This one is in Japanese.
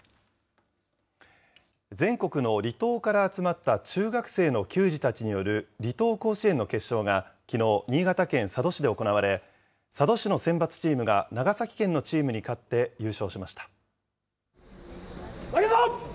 全国の離島から集まった中学生の球児たちによる、離島甲子園の決勝が、きのう、新潟県佐渡市で行われ、佐渡市の選抜チームが長崎県のチームに勝って、優勝しました。